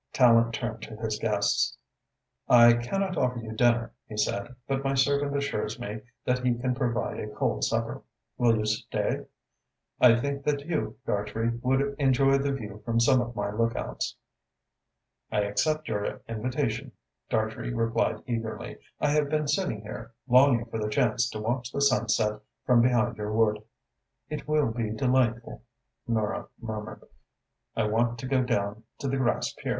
Tallente turned to his guests. "I cannot offer you dinner," he said, "but my servant assures me that he can provide a cold supper. Will you stay? I think that you, Dartrey, would enjoy the view from some of my lookouts." "I accept your invitation," Dartrey replied eagerly. "I have been sitting here, longing for the chance to watch the sunset from behind your wood." "It will be delightful," Nora murmured. "I want to go down to the grass pier."